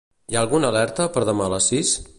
Hi ha alguna alerta per demà a les sis?